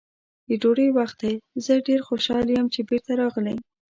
د ډوډۍ وخت دی، زه ډېر خوشحاله یم چې بېرته راغلې.